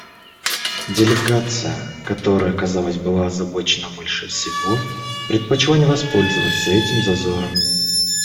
Делегация, которая, казалось, была озабочена больше всего, предпочла не воспользоваться этим зазором.